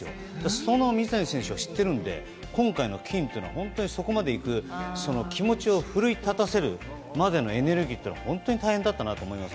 その水谷選手を知っているので今回の金というのはそこまで行く気持ちを奮い立たせるまでのエネルギーは本当に大変だったと思います。